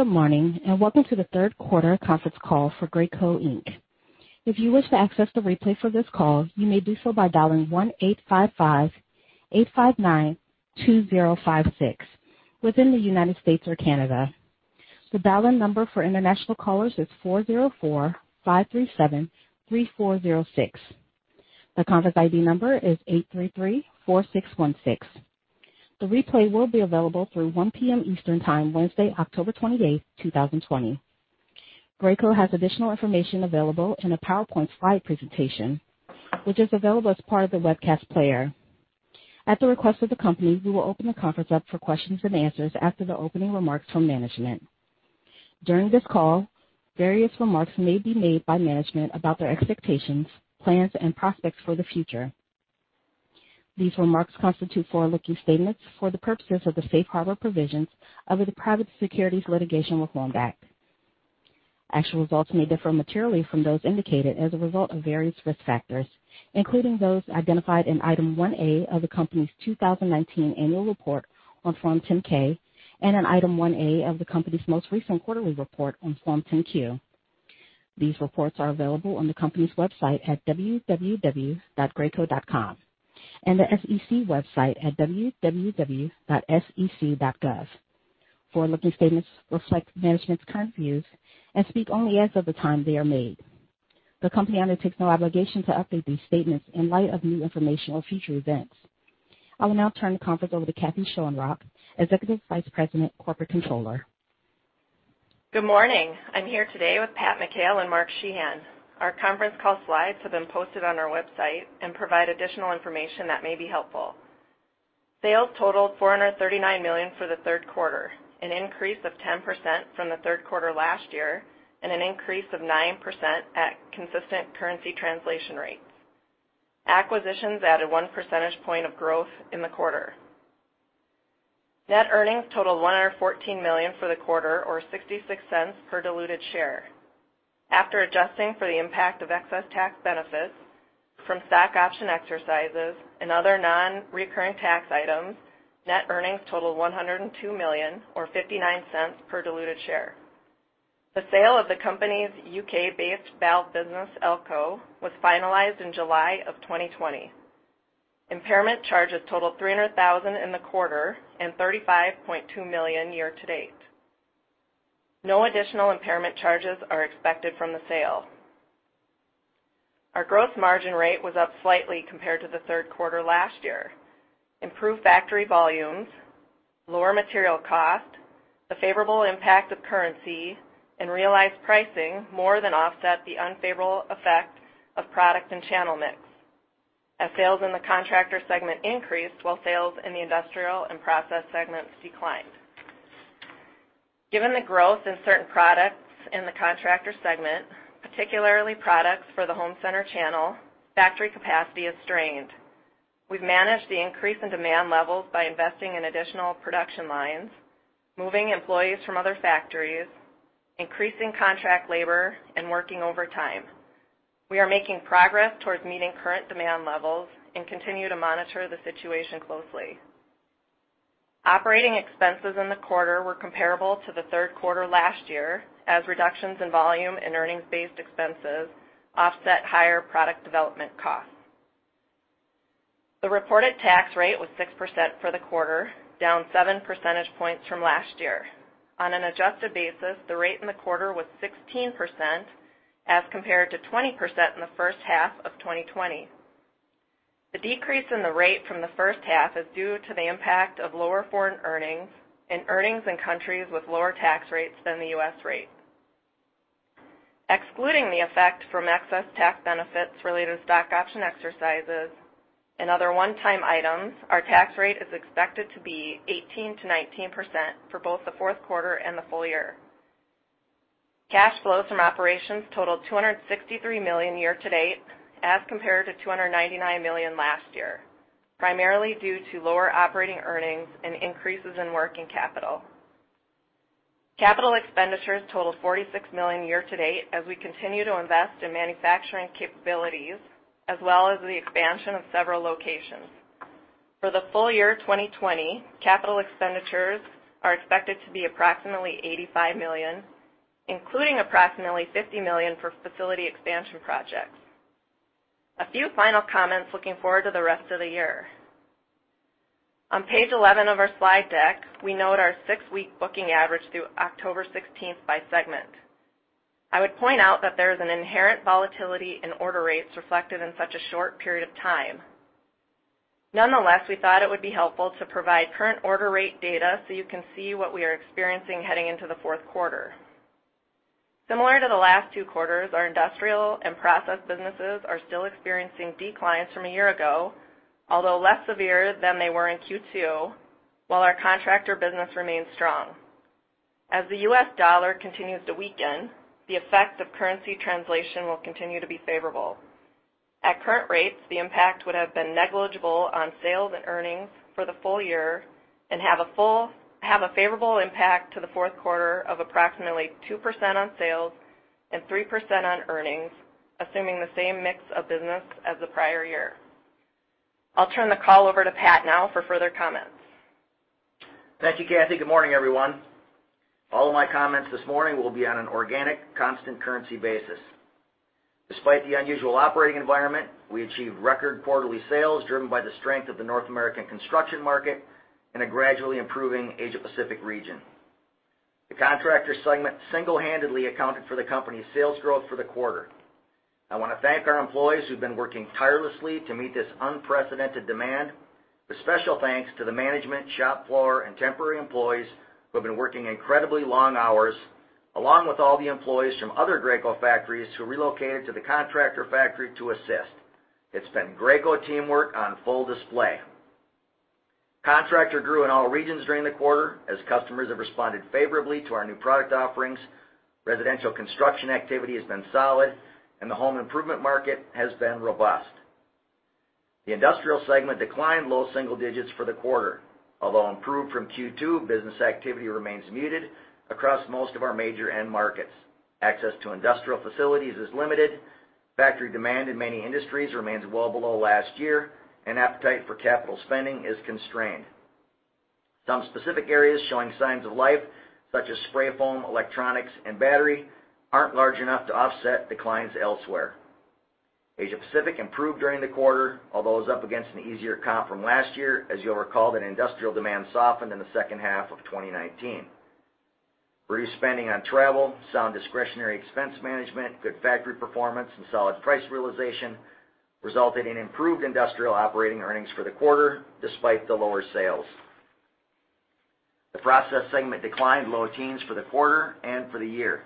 Good morning and welcome to the third quarter conference call for Graco Inc. If you wish to access the replay for this call, you may do so by dialing 1-855-859-2056 within the United States or Canada. The dialing number for international callers is 404-537-3406. The conference ID number is 833-4616. The replay will be available through 1:00 P.M. Eastern Time Wednesday, October 28th, 2020. Graco has additional information available in a PowerPoint slide presentation, which is available as part of the webcast player. At the request of the company, we will open the conference up for questions and answers after the opening remarks from management. During this call, various remarks may be made by management about their expectations, plans, and prospects for the future. These remarks constitute forward-looking statements for the purposes of the safe harbor provisions of the private securities litigation reform act. Actual results may differ materially from those indicated as a result of various risk factors, including those identified in item 1A of the company's 2019 annual report on Form 10-K and in item 1A of the company's most recent quarterly report on Form 10-Q. These reports are available on the company's website at www.graco.com and the SEC website at www.sec.gov. Forward-looking statements reflect management's current views and speak only as of the time they are made. The company undertakes no obligation to update these statements in light of new information or future events. I will now turn the conference over to Kathy Schoenrock, Executive Vice President, Corporate Controller. Good morning. I'm here today with Pat McHale and Mark Sheahan. Our conference call slides have been posted on our website and provide additional information that may be helpful. Sales totaled $439 million for the third quarter, an increase of 10% from the third quarter last year and an increase of 9% at consistent currency translation rates. Acquisitions added one percentage point of growth in the quarter. Net earnings totaled $114 million for the quarter, or $0.66 per diluted share. After adjusting for the impact of excess tax benefits from stock option exercises and other non-recurring tax items, net earnings totaled $102 million, or $0.59 per diluted share. The sale of the company's U.K.-based valve business, Alco, was finalized in July of 2020. Impairment charges totaled $300,000 in the quarter and $35.2 million year to date. No additional impairment charges are expected from the sale. Our gross margin rate was up slightly compared to the third quarter last year. Improved factory volumes, lower material cost, the favorable impact of currency, and realized pricing more than offset the unfavorable effect of product and channel mix, as sales in the contractor segment increased while sales in the industrial and process segments declined. Given the growth in certain products in the contractor segment, particularly products for the home center channel, factory capacity is strained. We've managed the increase in demand levels by investing in additional production lines, moving employees from other factories, increasing contract labor, and working overtime. We are making progress towards meeting current demand levels and continue to monitor the situation closely. Operating expenses in the quarter were comparable to the third quarter last year as reductions in volume and earnings-based expenses offset higher product development costs. The reported tax rate was 6% for the quarter, down 7 percentage points from last year. On an adjusted basis, the rate in the quarter was 16% as compared to 20% in the first half of 2020. The decrease in the rate from the first half is due to the impact of lower foreign earnings and earnings in countries with lower tax rates than the U.S. rate. Excluding the effect from excess tax benefits related to stock option exercises and other one-time items, our tax rate is expected to be 18%-19% for both the fourth quarter and the full year. Cash flows from operations totaled $263 million year to date as compared to $299 million last year, primarily due to lower operating earnings and increases in working capital. Capital expenditures totaled $46 million year to date as we continue to invest in manufacturing capabilities as well as the expansion of several locations. For the full year 2020, capital expenditures are expected to be approximately $85 million, including approximately $50 million for facility expansion projects. A few final comments looking forward to the rest of the year. On page 11 of our slide deck, we note our six-week booking average through October 16th by segment. I would point out that there is an inherent volatility in order rates reflected in such a short period of time. Nonetheless, we thought it would be helpful to provide current order rate data so you can see what we are experiencing heading into the fourth quarter. Similar to the last two quarters, our industrial and process businesses are still experiencing declines from a year ago, although less severe than they were in Q2, while our contractor business remains strong. As the U.S. dollar continues to weaken, the effect of currency translation will continue to be favorable. At current rates, the impact would have been negligible on sales and earnings for the full year and have a favorable impact to the fourth quarter of approximately 2% on sales and 3% on earnings, assuming the same mix of business as the prior year. I'll turn the call over to Pat now for further comments. Thank you, Kathy. Good morning, everyone. All of my comments this morning will be on an organic, constant currency basis. Despite the unusual operating environment, we achieved record quarterly sales driven by the strength of the North American construction market and a gradually improving Asia-Pacific region. The Contractor segment single-handedly accounted for the company's sales growth for the quarter. I want to thank our employees who've been working tirelessly to meet this unprecedented demand. With special thanks to the management, shop floor, and temporary employees who have been working incredibly long hours, along with all the employees from other Graco factories who relocated to the Contractor factory to assist. It's been Graco teamwork on full display. Contractor grew in all regions during the quarter as customers have responded favorably to our new product offerings. Residential construction activity has been solid, and the home improvement market has been robust. The industrial segment declined low single digits for the quarter, although improved from Q2. Business activity remains muted across most of our major end markets. Access to industrial facilities is limited. Factory demand in many industries remains well below last year, and appetite for capital spending is constrained. Some specific areas showing signs of life, such as spray foam, electronics, and battery, aren't large enough to offset declines elsewhere. Asia-Pacific improved during the quarter, although it was up against an easier comp from last year, as you'll recall that industrial demand softened in the second half of 2019. Reduced spending on travel, sound discretionary expense management, good factory performance, and solid price realization resulted in improved industrial operating earnings for the quarter despite the lower sales. The process segment declined low teens for the quarter and for the year.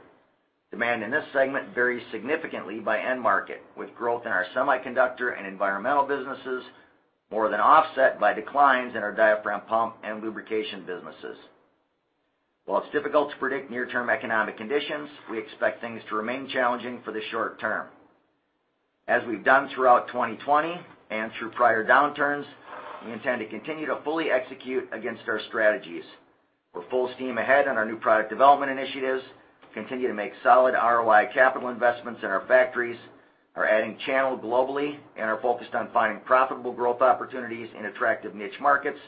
Demand in this segment varies significantly by end market, with growth in our semiconductor and environmental businesses more than offset by declines in our diaphragm pump and lubrication businesses. While it's difficult to predict near-term economic conditions, we expect things to remain challenging for the short term. As we've done throughout 2020 and through prior downturns, we intend to continue to fully execute against our strategies. We're full steam ahead on our new product development initiatives, continue to make solid ROI capital investments in our factories, are adding channel globally, and are focused on finding profitable growth opportunities in attractive niche markets,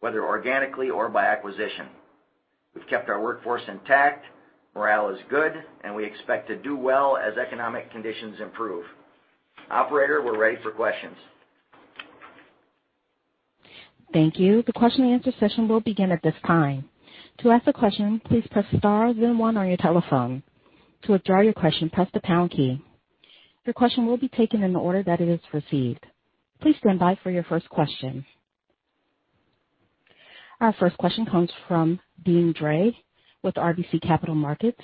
whether organically or by acquisition. We've kept our workforce intact. Morale is good, and we expect to do well as economic conditions improve. Operator, we're ready for questions. Thank you. The question-and-answer session will begin at this time. To ask a question, please press star then one on your telephone. To withdraw your question, press the pound key. Your question will be taken in the order that it is received. Please stand by for your first question. Our first question comes from Deane Dray with RBC Capital Markets.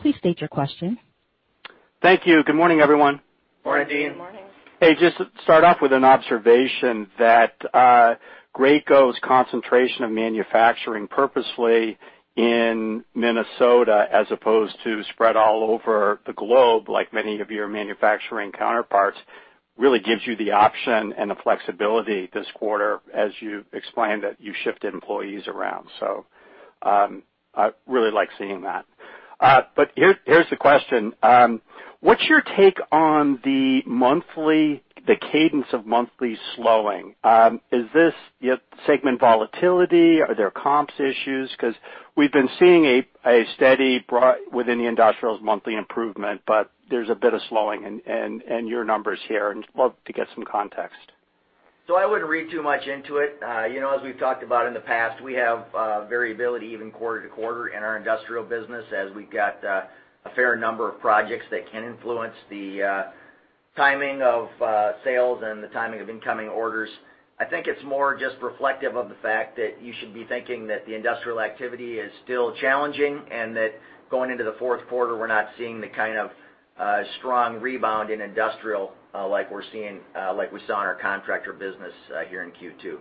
Please state your question. Thank you. Good morning, everyone. Morning, Deane. Good morning. Hey, just start off with an observation that Graco's concentration of manufacturing purposely in Minnesota, as opposed to spread all over the globe like many of your manufacturing counterparts, really gives you the option and the flexibility this quarter, as you explained, that you shifted employees around. So I really like seeing that. But here's the question. What's your take on the cadence of monthly slowing? Is this segment volatility? Are there comps issues? Because we've been seeing a steady within the industrials monthly improvement, but there's a bit of slowing in your numbers here. I'd love to get some context. So I wouldn't read too much into it. As we've talked about in the past, we have variability even quarter to quarter in our industrial business as we've got a fair number of projects that can influence the timing of sales and the timing of incoming orders. I think it's more just reflective of the fact that you should be thinking that the industrial activity is still challenging and that going into the fourth quarter, we're not seeing the kind of strong rebound in industrial like we saw in our contractor business here in Q2.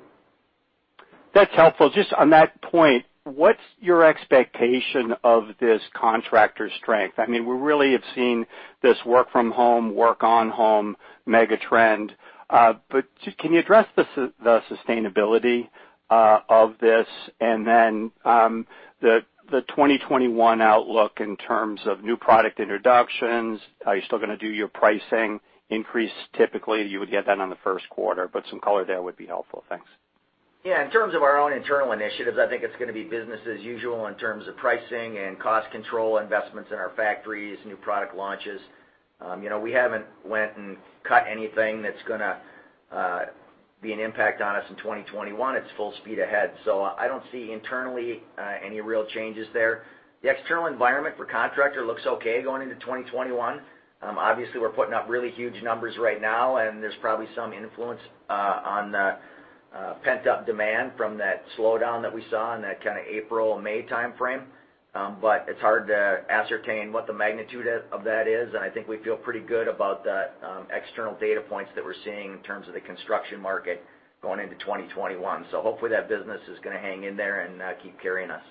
That's helpful. Just on that point, what's your expectation of this contractor strength? I mean, we really have seen this work-from-home, work-on-home mega trend. But can you address the sustainability of this and then the 2021 outlook in terms of new product introductions? Are you still going to do your pricing increase? Typically, you would get that on the first quarter, but some color there would be helpful. Thanks. Yeah. In terms of our own internal initiatives, I think it's going to be business as usual in terms of pricing and cost control investments in our factories, new product launches. We haven't went and cut anything that's going to be an impact on us in 2021. It's full speed ahead. So I don't see internally any real changes there. The external environment for contractor looks okay going into 2021. Obviously, we're putting up really huge numbers right now, and there's probably some influence on the pent-up demand from that slowdown that we saw in that kind of April, May timeframe. But it's hard to ascertain what the magnitude of that is. And I think we feel pretty good about the external data points that we're seeing in terms of the construction market going into 2021. So hopefully, that business is going to hang in there and keep carrying us.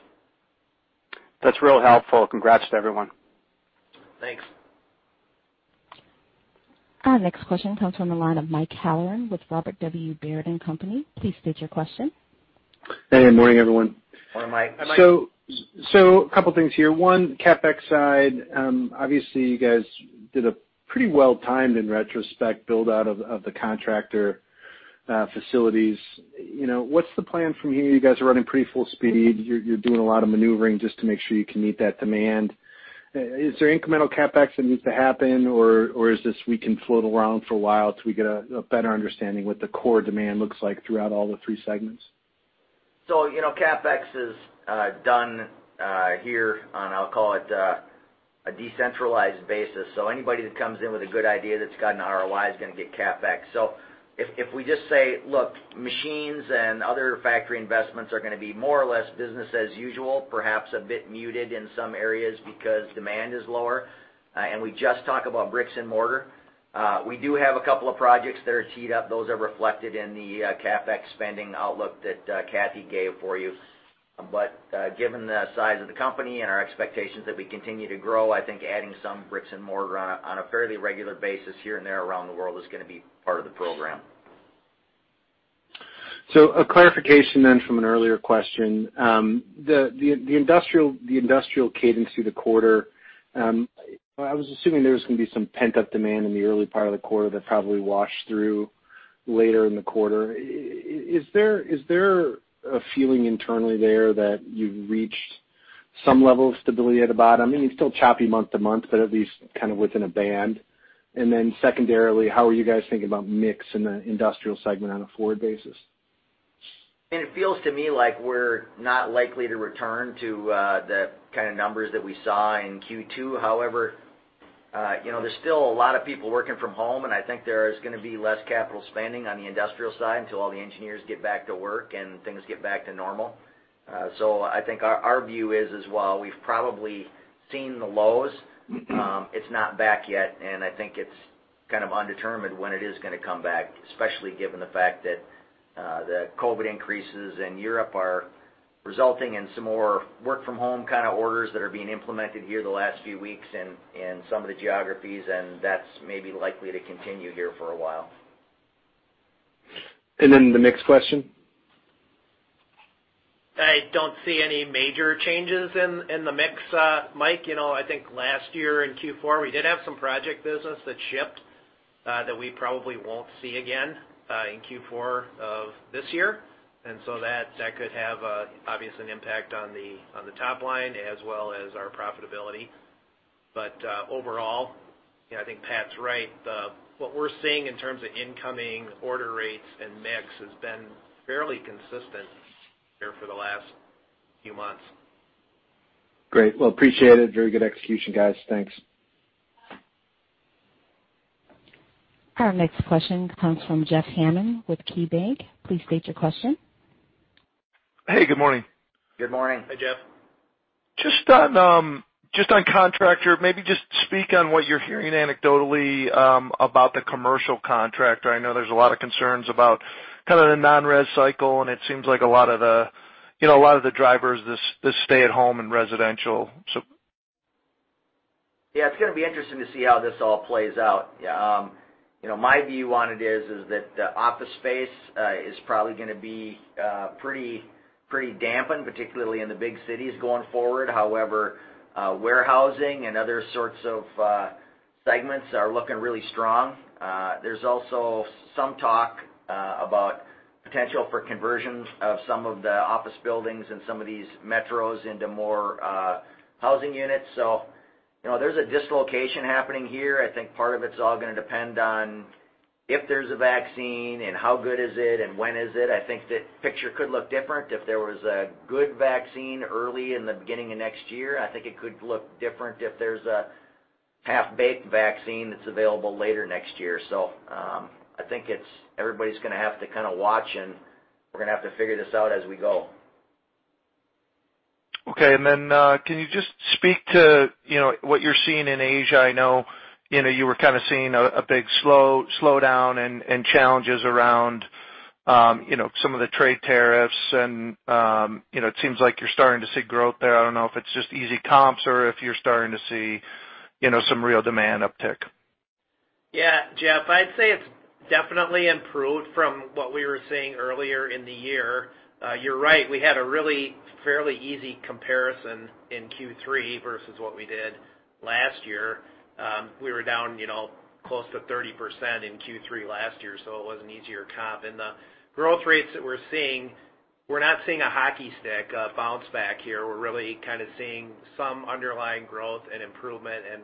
That's real helpful. Congrats to everyone. Thanks. Our next question comes from the line of Mike Halloran with Robert W. Baird & Co. Please state your question. Hey. Morning, everyone. Morning, Mike. So a couple of things here. One, CapEx side, obviously, you guys did a pretty well-timed in retrospect build-out of the contractor facilities. What's the plan from here? You guys are running pretty full speed. You're doing a lot of maneuvering just to make sure you can meet that demand. Is there incremental CapEx that needs to happen, or is this we can float around for a while till we get a better understanding what the core demand looks like throughout all the three segments? CapEx is done here on, I'll call it, a decentralized basis. Anybody that comes in with a good idea that's got an ROI is going to get CapEx. If we just say, "Look, machines and other factory investments are going to be more or less business as usual, perhaps a bit muted in some areas because demand is lower," and we just talk about bricks and mortar, we do have a couple of projects that are teed up. Those are reflected in the CapEx spending outlook that Kathy gave for you. Given the size of the company and our expectations that we continue to grow, I think adding some bricks and mortar on a fairly regular basis here and there around the world is going to be part of the program. So a clarification then from an earlier question. The industrial cadence through the quarter, I was assuming there was going to be some pent-up demand in the early part of the quarter that probably washed through later in the quarter. Is there a feeling internally there that you've reached some level of stability at the bottom? I mean, it's still choppy month to month, but at least kind of within a band. And then secondarily, how are you guys thinking about mix in the Industrial segment on a forward basis? I mean, it feels to me like we're not likely to return to the kind of numbers that we saw in Q2. However, there's still a lot of people working from home, and I think there is going to be less capital spending on the industrial side until all the engineers get back to work and things get back to normal. So I think our view is, as well, we've probably seen the lows. It's not back yet, and I think it's kind of undetermined when it is going to come back, especially given the fact that the COVID increases in Europe are resulting in some more work-from-home kind of orders that are being implemented here the last few weeks in some of the geographies, and that's maybe likely to continue here for a while. And then the mix question. I don't see any major changes in the mix. Mike, I think last year in Q4, we did have some project business that shipped that we probably won't see again in Q4 of this year. And so that could have, obviously, an impact on the top line as well as our profitability. But overall, I think Pat's right. What we're seeing in terms of incoming order rates and mix has been fairly consistent here for the last few months. Great. Well, appreciate it. Very good execution, guys. Thanks. Our next question comes from Jeff Hammond with KeyBanc. Please state your question. Hey. Good morning. Good morning. Hey, Jeff. Just on contractor, maybe just speak on what you're hearing anecdotally about the commercial contractor. I know there's a lot of concerns about kind of the non-res cycle, and it seems like a lot of the drivers, this stay-at-home and residential, so. Yeah. It's going to be interesting to see how this all plays out. Yeah. My view on it is that the office space is probably going to be pretty dampened, particularly in the big cities going forward. However, warehousing and other sorts of segments are looking really strong. There's also some talk about potential for conversions of some of the office buildings and some of these metros into more housing units. So there's a dislocation happening here. I think part of it's all going to depend on if there's a vaccine and how good is it and when is it. I think the picture could look different if there was a good vaccine early in the beginning of next year. I think it could look different if there's a half-baked vaccine that's available later next year. So I think everybody's going to have to kind of watch, and we're going to have to figure this out as we go. Okay. And then can you just speak to what you're seeing in Asia? I know you were kind of seeing a big slowdown and challenges around some of the trade tariffs, and it seems like you're starting to see growth there. I don't know if it's just easy comps or if you're starting to see some real demand uptick. Yeah. Jeff, I'd say it's definitely improved from what we were seeing earlier in the year. You're right. We had a really fairly easy comparison in Q3 versus what we did last year. We were down close to 30% in Q3 last year, so it was an easier comp. And the growth rates that we're seeing, we're not seeing a hockey stick bounce back here. We're really kind of seeing some underlying growth and improvement, and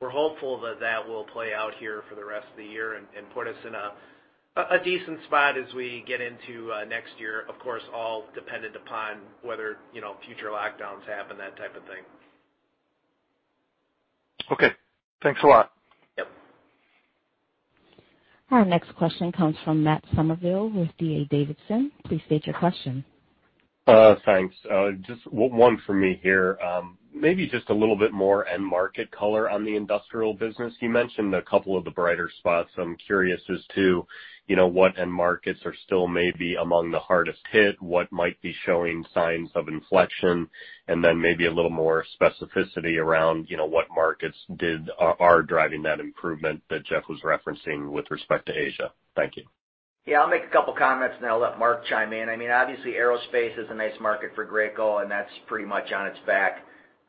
we're hopeful that that will play out here for the rest of the year and put us in a decent spot as we get into next year, of course, all dependent upon whether future lockdowns happen, that type of thing. Okay. Thanks a lot. Yep. Our next question comes from Matt Summerville with D.A. Davidson. Please state your question. Thanks. Just one for me here. Maybe just a little bit more end market color on the industrial business. You mentioned a couple of the brighter spots. I'm curious as to what end markets are still maybe among the hardest hit, what might be showing signs of inflection, and then maybe a little more specificity around what markets are driving that improvement that Jeff was referencing with respect to Asia? Thank you. Yeah. I'll make a couple of comments and then I'll let Mark chime in. I mean, obviously, aerospace is a nice market for Graco, and that's pretty much on its back.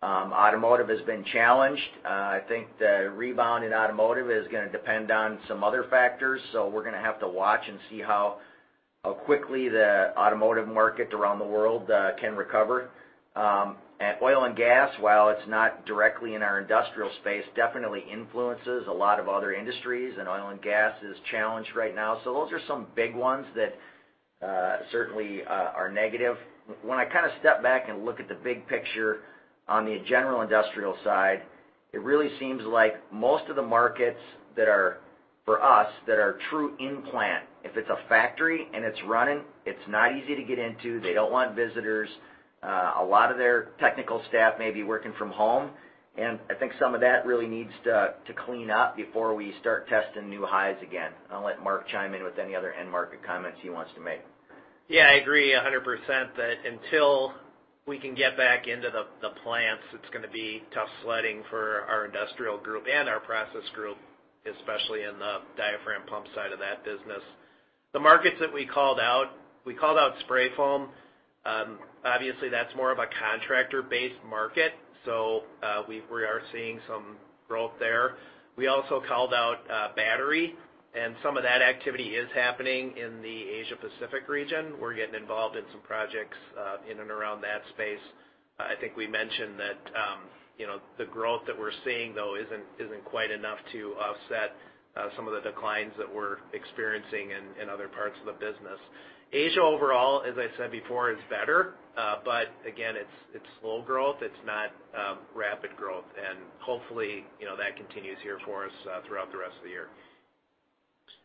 Automotive has been challenged. I think the rebound in automotive is going to depend on some other factors. So we're going to have to watch and see how quickly the automotive market around the world can recover. Oil and gas, while it's not directly in our industrial space, definitely influences a lot of other industries, and oil and gas is challenged right now. So those are some big ones that certainly are negative. When I kind of step back and look at the big picture on the general industrial side, it really seems like most of the markets that are for us that are true in-plant, if it's a factory and it's running, it's not easy to get into. They don't want visitors. A lot of their technical staff may be working from home. And I think some of that really needs to clean up before we start testing new highs again. I'll let Mark chime in with any other end market comments he wants to make. Yeah. I agree 100% that until we can get back into the plants, it's going to be tough sledding for our industrial group and our process group, especially in the diaphragm pump side of that business. The markets that we called out, we called out spray foam. Obviously, that's more of a contractor-based market, so we are seeing some growth there. We also called out battery, and some of that activity is happening in the Asia-Pacific region. We're getting involved in some projects in and around that space. I think we mentioned that the growth that we're seeing, though, isn't quite enough to offset some of the declines that we're experiencing in other parts of the business. Asia, overall, as I said before, is better, but again, it's slow growth. It's not rapid growth. And hopefully, that continues here for us throughout the rest of the year.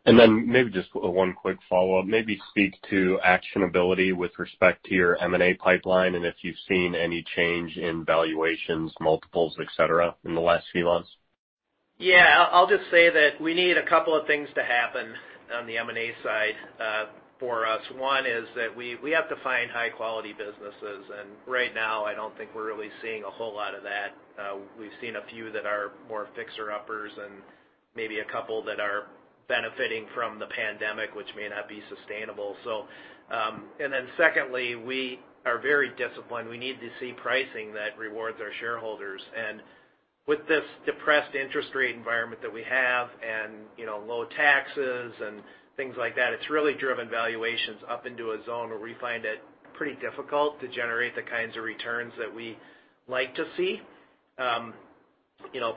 And then maybe just one quick follow-up. Maybe speak to actionability with respect to your M&A pipeline and if you've seen any change in valuations, multiples, etc., in the last few months. Yeah. I'll just say that we need a couple of things to happen on the M&A side for us. One is that we have to find high-quality businesses. And right now, I don't think we're really seeing a whole lot of that. We've seen a few that are more fixer-uppers and maybe a couple that are benefiting from the pandemic, which may not be sustainable. And then secondly, we are very disciplined. We need to see pricing that rewards our shareholders. And with this depressed interest rate environment that we have and low taxes and things like that, it's really driven valuations up into a zone where we find it pretty difficult to generate the kinds of returns that we like to see.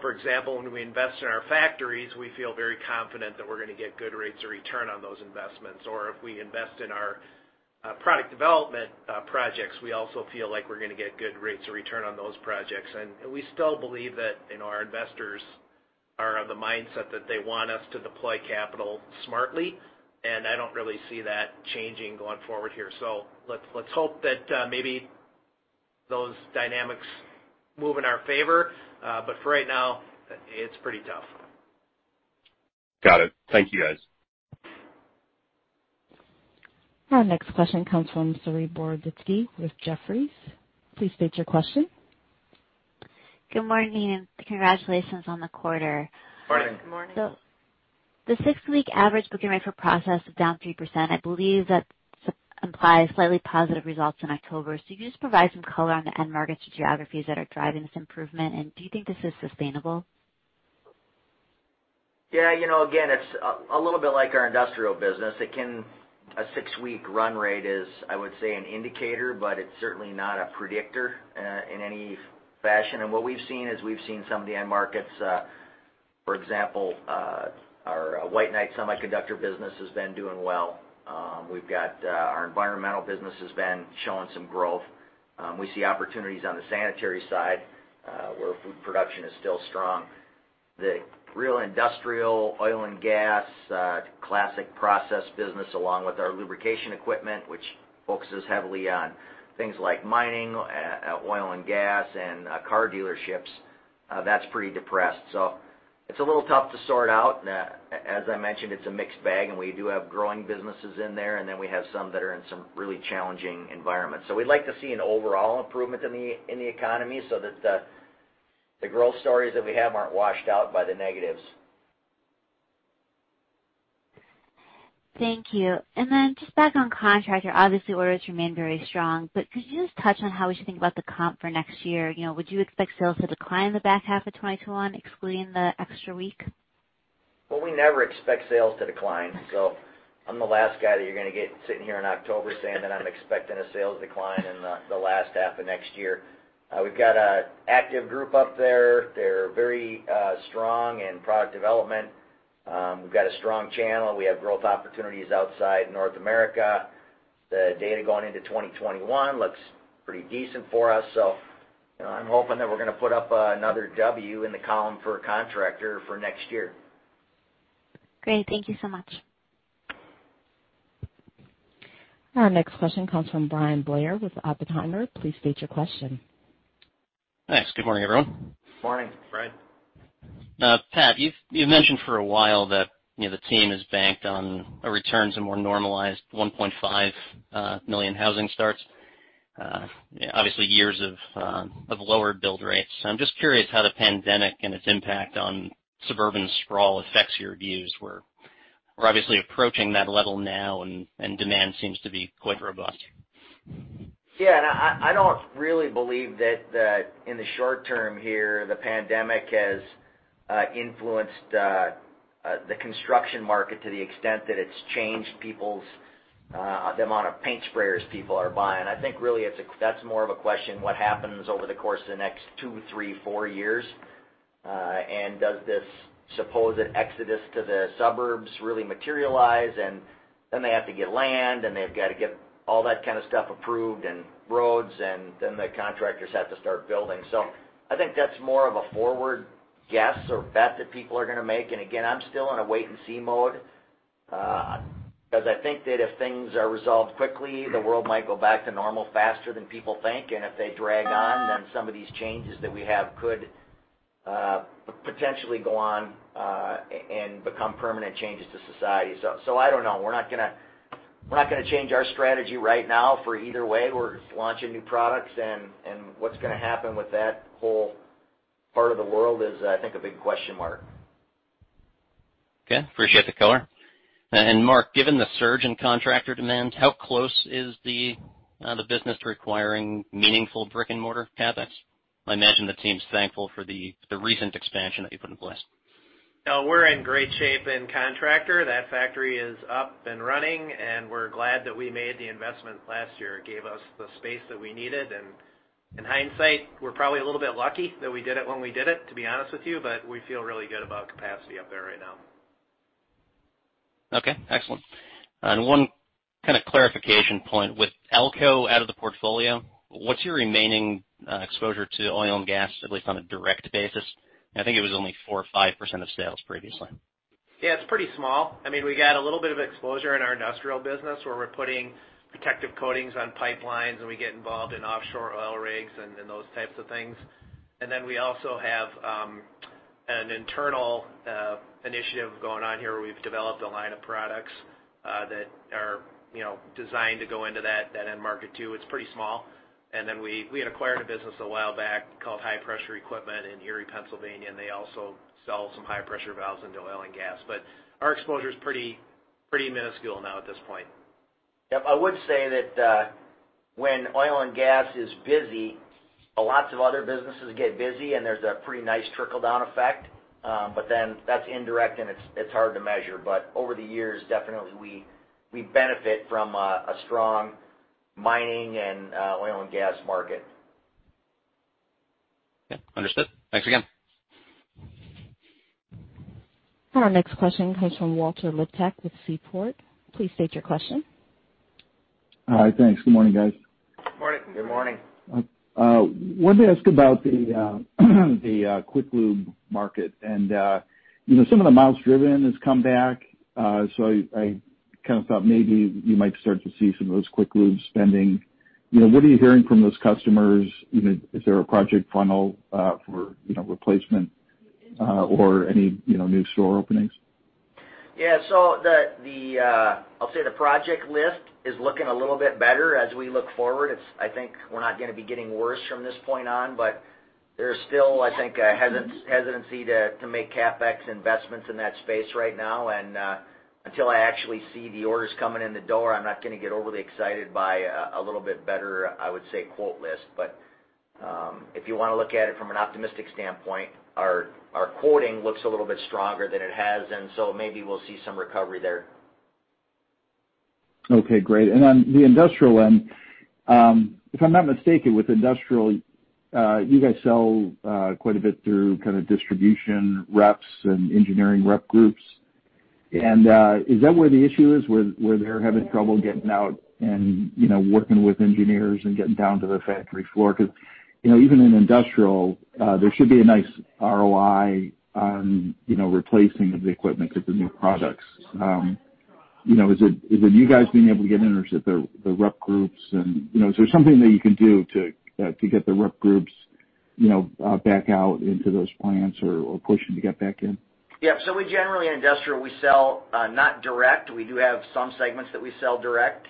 For example, when we invest in our factories, we feel very confident that we're going to get good rates of return on those investments. Or if we invest in our product development projects, we also feel like we're going to get good rates of return on those projects. And we still believe that our investors are of the mindset that they want us to deploy capital smartly. And I don't really see that changing going forward here. So let's hope that maybe those dynamics move in our favor. But for right now, it's pretty tough. Got it. Thank you, guys. Our next question comes from Saree Boroditsky with Jefferies. Please state your question. Good morning. Congratulations on the quarter. Good morning. Good morning. The six-week average booking rate for process is down 3%. I believe that implies slightly positive results in October, so you just provide some color on the end markets or geographies that are driving this improvement, and do you think this is sustainable? Yeah. Again, it's a little bit like our industrial business. A six-week run rate is, I would say, an indicator, but it's certainly not a predictor in any fashion, and what we've seen is we've seen some of the end markets, for example, our white-hot semiconductor business has been doing well. Our environmental business has been showing some growth. We see opportunities on the sanitary side where food production is still strong. The real industrial oil and gas classic process business, along with our lubrication equipment, which focuses heavily on things like mining, oil and gas, and car dealerships, that's pretty depressed, so it's a little tough to sort out. As I mentioned, it's a mixed bag, and we do have growing businesses in there, and then we have some that are in some really challenging environments. So we'd like to see an overall improvement in the economy so that the growth stories that we have aren't washed out by the negatives. Thank you. And then just back on contractor, obviously, orders remain very strong. But could you just touch on how would you think about the comp for next year? Would you expect sales to decline in the back half of 2021, excluding the extra week? We never expect sales to decline. I'm the last guy that you're going to get sitting here in October saying that I'm expecting a sales decline in the last half of next year. We've got an active group up there. They're very strong in product development. We've got a strong channel. We have growth opportunities outside North America. The data going into 2021 looks pretty decent for us. I'm hoping that we're going to put up another W in the column for Contractor for next year. Great. Thank you so much. Our next question comes from Bryan Blair with Oppenheimer. Please state your question. Thanks. Good morning, everyone. Morning, Bryan. Pat, you've mentioned for a while that the team is banked on a return to more normalized 1.5 million housing starts, obviously years of lower build rates. I'm just curious how the pandemic and its impact on suburban sprawl affects your views. We're obviously approaching that level now, and demand seems to be quite robust. Yeah. And I don't really believe that in the short term here, the pandemic has influenced the construction market to the extent that it's changed the amount of paint sprayers people are buying. I think really that's more of a question of what happens over the course of the next two, three, four years. And does this supposed exodus to the suburbs really materialize? And then they have to get land, and they've got to get all that kind of stuff approved and roads, and then the contractors have to start building. So I think that's more of a forward guess or bet that people are going to make. And again, I'm still in a wait-and-see mode because I think that if things are resolved quickly, the world might go back to normal faster than people think. If they drag on, then some of these changes that we have could potentially go on and become permanent changes to society. So I don't know. We're not going to change our strategy right now for either way. We're launching new products, and what's going to happen with that whole part of the world is, I think, a big question mark. Okay. Appreciate the color. And Mark, given the surge in contractor demand, how close is the business to requiring meaningful brick-and-mortar CapEx? I imagine the team's thankful for the recent expansion that you put in place. We're in great shape in contractor. That factory is up and running, and we're glad that we made the investment last year. It gave us the space that we needed. And in hindsight, we're probably a little bit lucky that we did it when we did it, to be honest with you, but we feel really good about capacity up there right now. Okay. Excellent. And one kind of clarification point. With Alco out of the portfolio, what's your remaining exposure to oil and gas, at least on a direct basis? I think it was only 4% or 5% of sales previously. Yeah. It's pretty small. I mean, we got a little bit of exposure in our industrial business where we're putting protective coatings on pipelines, and we get involved in offshore oil rigs and those types of things. And then we also have an internal initiative going on here where we've developed a line of products that are designed to go into that end market too. It's pretty small. And then we had acquired a business a while back called High Pressure Equipment in Erie, Pennsylvania, and they also sell some high-pressure valves into oil and gas. But our exposure is pretty minuscule now at this point. Yep. I would say that when oil and gas is busy, lots of other businesses get busy, and there's a pretty nice trickle-down effect. But then that's indirect, and it's hard to measure. But over the years, definitely, we benefit from a strong mining and oil and gas market. Yeah. Understood. Thanks again. Our next question comes from Walter Liptak with Seaport. Please state your question. Hi. Thanks. Good morning, guys. Good morning. Good morning. I wanted to ask about the Quick Lube market. And some of the miles driven has come back, so I kind of thought maybe you might start to see some of those Quick Lube spending. What are you hearing from those customers? Is there a project funnel for replacement or any new store openings? Yeah. So I'll say the project list is looking a little bit better as we look forward. I think we're not going to be getting worse from this point on, but there's still, I think, a hesitancy to make CapEx investments in that space right now. And until I actually see the orders coming in the door, I'm not going to get overly excited by a little bit better, I would say, quote list. But if you want to look at it from an optimistic standpoint, our quoting looks a little bit stronger than it has, and so maybe we'll see some recovery there. Okay. Great. And on the industrial end, if I'm not mistaken, with industrial, you guys sell quite a bit through kind of distribution reps and engineering rep groups. And is that where the issue is, where they're having trouble getting out and working with engineers and getting down to the factory floor? Because even in industrial, there should be a nice ROI on replacing the equipment with the new products. Is it you guys being able to get in, or is it the rep groups? And is there something that you can do to get the rep groups back out into those plants or push them to get back in? Yeah, so we generally, in industrial, we sell not direct. We do have some segments that we sell direct,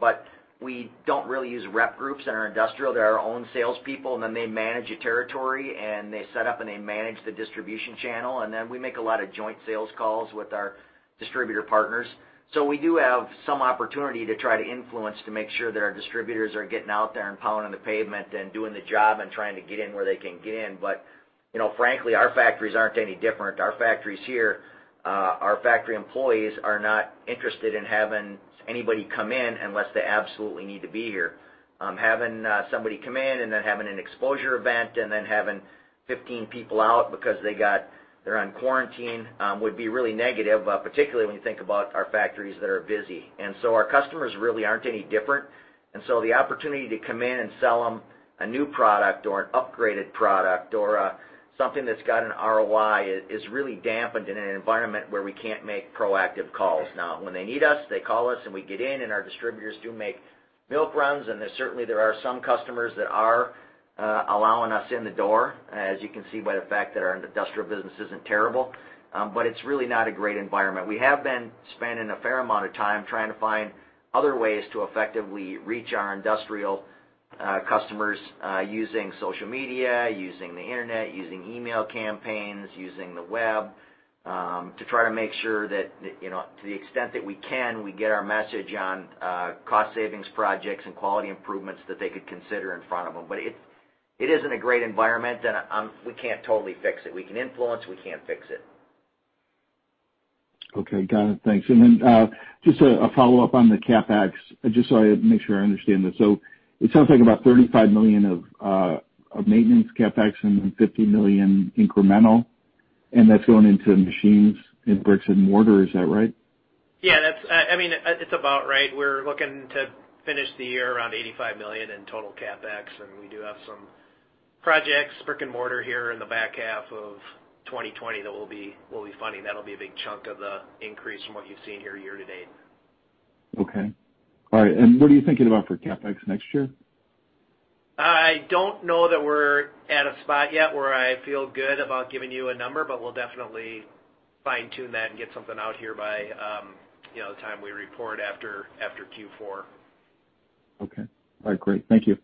but we don't really use rep groups in our industrial. They're our own salespeople, and then they manage a territory, and they set up and they manage the distribution channel. And then we make a lot of joint sales calls with our distributor partners. So we do have some opportunity to try to influence to make sure that our distributors are getting out there and pounding the pavement and doing the job and trying to get in where they can get in. But frankly, our factories aren't any different. Our factories here, our factory employees are not interested in having anybody come in unless they absolutely need to be here. Having somebody come in and then having an exposure event and then having 15 people out because they're on quarantine would be really negative, particularly when you think about our factories that are busy, and so our customers really aren't any different, and so the opportunity to come in and sell them a new product or an upgraded product or something that's got an ROI is really dampened in an environment where we can't make proactive calls. Now, when they need us, they call us, and we get in, and our distributors do make milk runs, and certainly, there are some customers that are allowing us in the door, as you can see by the fact that our industrial business isn't terrible, but it's really not a great environment. We have been spending a fair amount of time trying to find other ways to effectively reach our industrial customers using social media, using the internet, using email campaigns, using the web to try to make sure that to the extent that we can, we get our message on cost savings projects and quality improvements that they could consider in front of them. But it isn't a great environment, and we can't totally fix it. We can influence. We can't fix it. Okay. Got it. Thanks. And then just a follow-up on the CapEx. Just so I make sure I understand this. So it sounds like about $35 million of maintenance CapEx and then $50 million incremental, and that's going into machines and bricks and mortar. Is that right? Yeah. I mean, it's about right. We're looking to finish the year around $85 million in total CapEx, and we do have some projects, brick and mortar here in the back half of 2020 that we'll be funding. That'll be a big chunk of the increase from what you've seen here year to date. Okay. All right. And what are you thinking about for CapEx next year? I don't know that we're at a spot yet where I feel good about giving you a number, but we'll definitely fine-tune that and get something out here by the time we report after Q4. Okay. All right. Great. Thank you.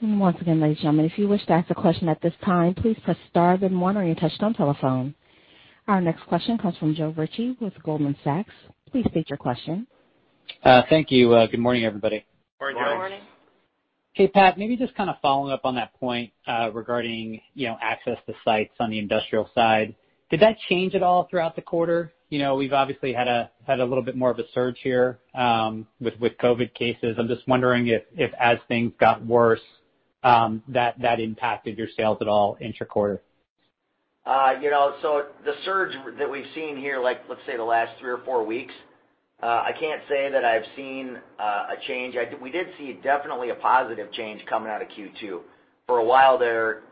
Yep. And once again, ladies and gentlemen, if you wish to ask a question at this time, please press star then one or you can touchtone telephone. Our next question comes from Joe Ritchie with Goldman Sachs. Please state your question. Thank you. Good morning, everybody. Good morning. Good morning Hey, Pat. Maybe just kind of following up on that point regarding access to sites on the industrial side. Did that change at all throughout the quarter? We've obviously had a little bit more of a surge here with COVID cases. I'm just wondering if as things got worse, that impacted your sales at all intra-quarter? So the surge that we've seen here, let's say the last three or four weeks, I can't say that I've seen a change. We did see definitely a positive change coming out of Q2. For a while there,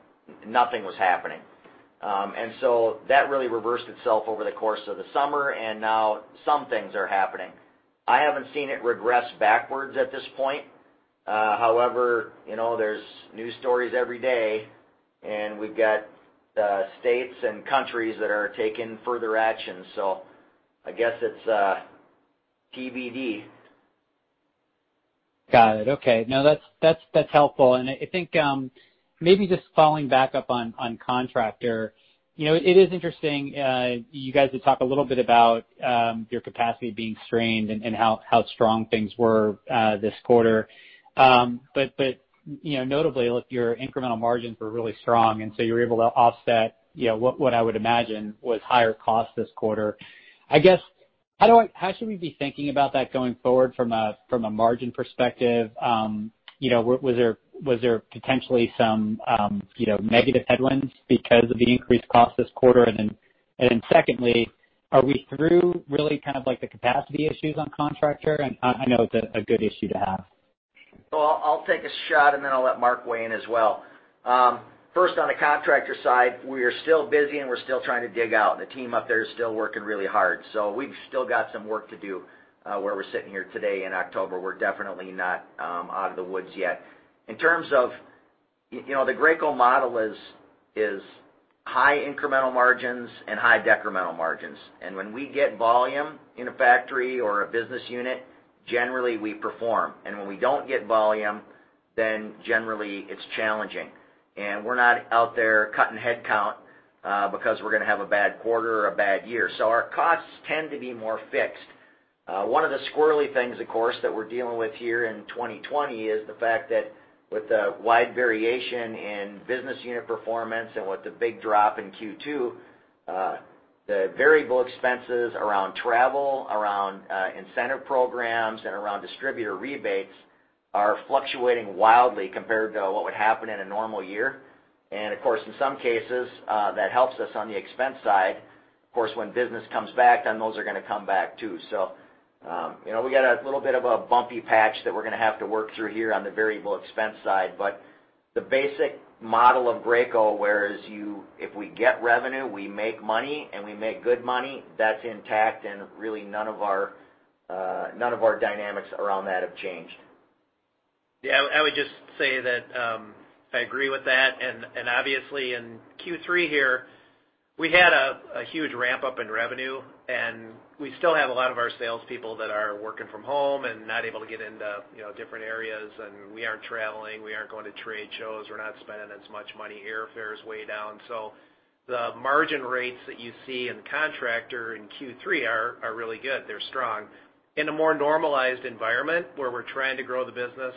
nothing was happening. And so that really reversed itself over the course of the summer, and now some things are happening. I haven't seen it regress backwards at this point. However, there's news stories every day, and we've got states and countries that are taking further action. So I guess it's TBD. Got it. Okay. No, that's helpful. I think maybe just following back up on contractor. It is interesting. You guys did talk a little bit about your capacity being strained and how strong things were this quarter. But notably, your incremental margins were really strong, and so you were able to offset what I would imagine was higher cost this quarter. I guess, how should we be thinking about that going forward from a margin perspective? Was there potentially some negative headwinds because of the increased cost this quarter? And then secondly, are we through really kind of the capacity issues on contractor? And I know it's a good issue to have. So I'll take a shot, and then I'll let Mark weigh in as well. First, on the contractor side, we are still busy, and we're still trying to dig out. The team up there is still working really hard. So we've still got some work to do where we're sitting here today in October. We're definitely not out of the woods yet. In terms of the Graco model is high incremental margins and high decremental margins. And when we get volume in a factory or a business unit, generally, we perform. And when we don't get volume, then generally, it's challenging. And we're not out there cutting headcount because we're going to have a bad quarter or a bad year. So our costs tend to be more fixed. One of the squirrely things, of course, that we're dealing with here in 2020 is the fact that with the wide variation in business unit performance and with the big drop in Q2, the variable expenses around travel, around incentive programs, and around distributor rebates are fluctuating wildly compared to what would happen in a normal year. And of course, in some cases, that helps us on the expense side. Of course, when business comes back, then those are going to come back too. So we got a little bit of a bumpy patch that we're going to have to work through here on the variable expense side. But the basic model of Graco where if we get revenue, we make money, and we make good money, that's intact, and really none of our dynamics around that have changed. Yeah. I would just say that I agree with that. And obviously, in Q3 here, we had a huge ramp-up in revenue, and we still have a lot of our salespeople that are working from home and not able to get into different areas. And we aren't traveling. We aren't going to trade shows. We're not spending as much money. Airfare is way down. So the margin rates that you see in contractor in Q3 are really good. They're strong. In a more normalized environment where we're trying to grow the business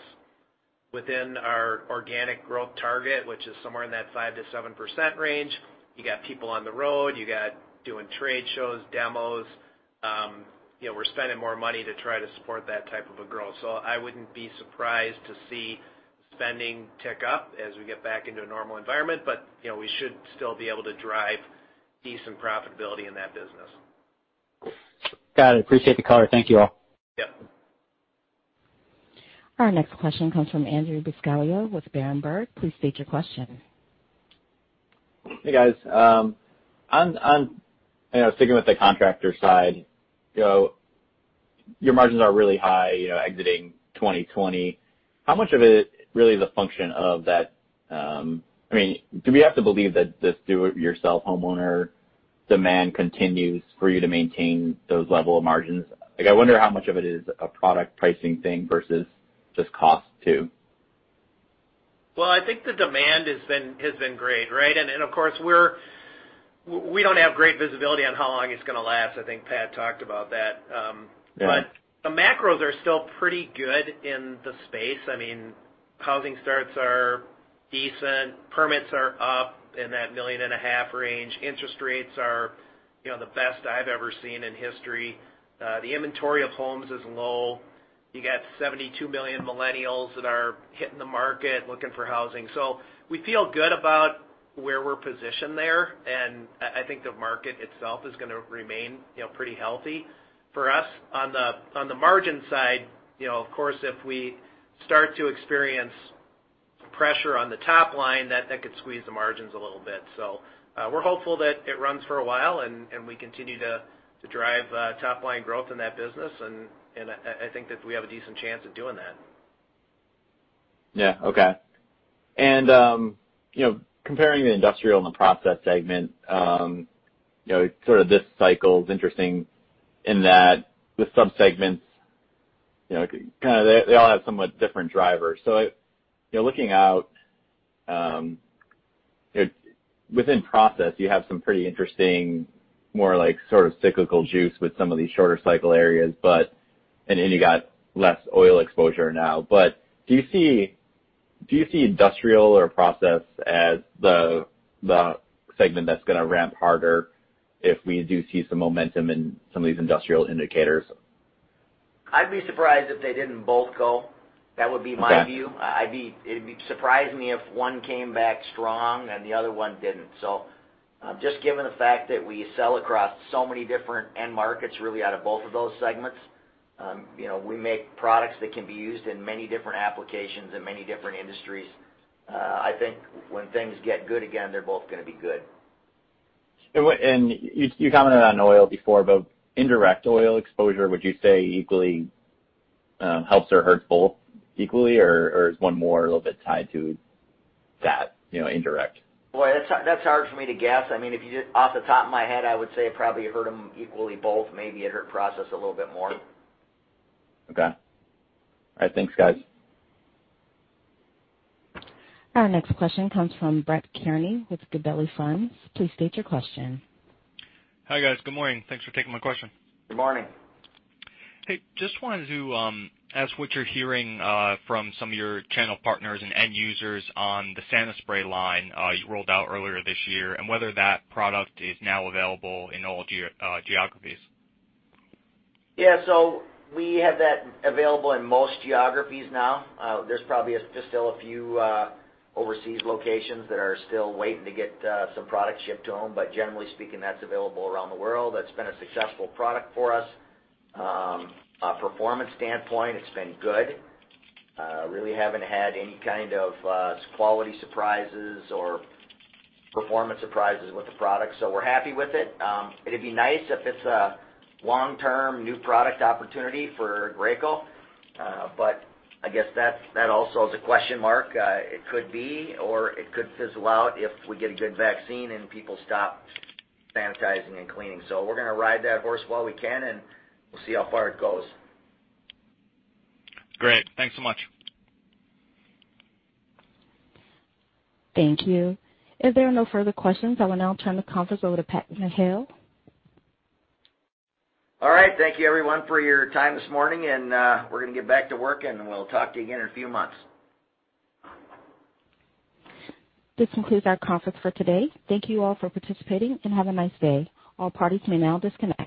within our organic growth target, which is somewhere in that 5%-7% range, you got people on the road. You got doing trade shows, demos. We're spending more money to try to support that type of a growth. So I wouldn't be surprised to see spending tick up as we get back into a normal environment, but we should still be able to drive decent profitability in that business. Got it. Appreciate the call. Thank you all. Yep. Our next question comes from Andrew Buscaglia with Berenberg. Please state your question. Hey, guys. I was thinking with the contractor side. Your margins are really high exiting 2020. How much of it really is a function of that? I mean, do we have to believe that this do-it-yourself homeowner demand continues for you to maintain those level of margins? I wonder how much of it is a product pricing thing versus just cost too. I think the demand has been great, right? Of course, we don't have great visibility on how long it's going to last. I think Pat talked about that. The macros are still pretty good in the space. I mean, housing starts are decent. Permits are up in that 1.5 million range. Interest rates are the best I've ever seen in history. The inventory of homes is low. You got 72 million millennials that are hitting the market looking for housing. We feel good about where we're positioned there, and I think the market itself is going to remain pretty healthy for us. On the margin side, of course, if we start to experience pressure on the top line, that could squeeze the margins a little bit. We're hopeful that it runs for a while and we continue to drive top-line growth in that business, and I think that we have a decent chance of doing that. Yeah. Okay. And comparing the Industrial and the Process segment, sort of this cycle is interesting in that with subsegments, kind of they all have somewhat different drivers. So looking out within Process, you have some pretty interesting more sort of cyclical juice with some of these shorter cycle areas, and you got less oil exposure now. But do you see Industrial or Process as the segment that's going to ramp harder if we do see some momentum in some of these industrial indicators? I'd be surprised if they didn't both go. That would be my view. It'd surprise me if one came back strong and the other one didn't. So just given the fact that we sell across so many different end markets really out of both of those segments, we make products that can be used in many different applications in many different industries. I think when things get good again, they're both going to be good. And you commented on oil before, but indirect oil exposure, would you say equally helps or hurts both equally, or is one more a little bit tied to that indirect? Boy, that's hard for me to guess. I mean, off the top of my head, I would say it probably hurt them equally both. Maybe it hurt process a little bit more. Okay. All right. Thanks, guys. Our next question comes from Brett Kearney with Gabelli Funds. Please state your question. Hi guys. Good morning. Thanks for taking my question. Good morning. Hey, just wanted to ask what you're hearing from some of your channel partners and end users on the SaniSpray HP line you rolled out earlier this year and whether that product is now available in all geographies? Yeah. So we have that available in most geographies now. There's probably just still a few overseas locations that are still waiting to get some product shipped to them. But generally speaking, that's available around the world. That's been a successful product for us. From a performance standpoint, it's been good. Really haven't had any kind of quality surprises or performance surprises with the product. So we're happy with it. It'd be nice if it's a long-term new product opportunity for Graco, but I guess that also is a question mark. It could be, or it could fizzle out if we get a good vaccine and people stop sanitizing and cleaning. So we're going to ride that horse while we can, and we'll see how far it goes. Great. Thanks so much. Thank you. If there are no further questions, I will now turn the conference over to Pat McHale. All right. Thank you, everyone, for your time this morning, and we're going to get back to work, and we'll talk to you again in a few months. This concludes our conference for today. Thank you all for participating and have a nice day. All parties may now disconnect.